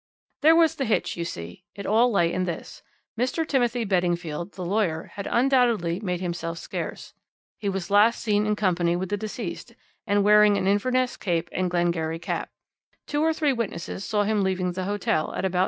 "There was the hitch, you see; it all lay in this. Mr. Timothy Beddingfield, the lawyer, had undoubtedly made himself scarce. He was last seen in company with the deceased, and wearing an Inverness cape and Glengarry cap; two or three witnesses saw him leaving the hotel at about 9.